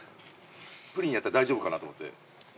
プリンやったら大丈夫かなと思って。